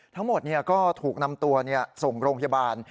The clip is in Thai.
ทั้งหมดก็ถูกนำตัวส่งโรงพยาบาล